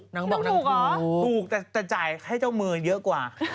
นางบอกนางก็ถูกแต่จ่ายให้เจ้ามือเยอะกว่า